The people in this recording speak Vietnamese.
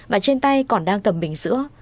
và trên tay còn đang cầm bình sữa